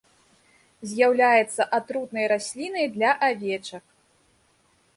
З'яўляецца атрутнай раслінай для авечак.